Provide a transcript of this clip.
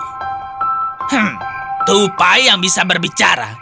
hmm tupai yang bisa berbicara